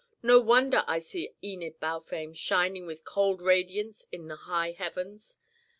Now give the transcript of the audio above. No wonder I see Enid Balfame shining with cold radiance in the high heavens.